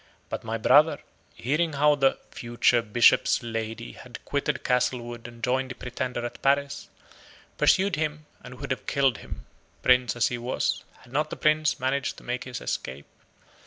But my brother, hearing how the FUTURE BISHOP'S LADY had quitted Castlewood and joined the Pretender at Paris, pursued him, and would have killed him, Prince as he was, had not the Prince managed to make his escape.